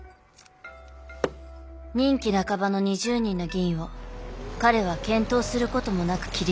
任期半ばの２０人の議員を彼は検討することもなく切り捨てた。